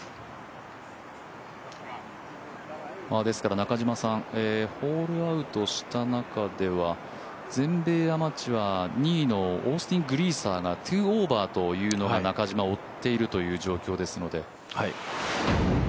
ですからホールアウトした中では全米アマチュア２位のオースティン・グリーサーが２オーバーというのが、中島が追っているという状況ですので。